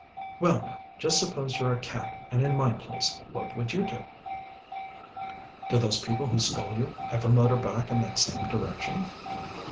"Well now, just suppose you're a cat, and in my place, what would you do?" "Do those people who stole you, ever motor back in that same direction?"